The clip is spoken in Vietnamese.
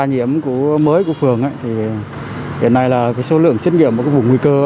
hiện nay là số lượng xét nghiệm ở vùng nguy cơ